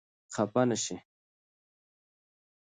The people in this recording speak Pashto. خفه نه شئ !